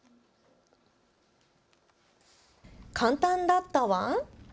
簡単だったワン？